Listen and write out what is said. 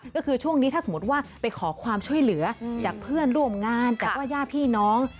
ก็คือช่วงนี้ถ้าสมมติว่าไปขอความช่วยเหลือจากเพื่อนร่วมงานจากว่าญาติพี่น้อง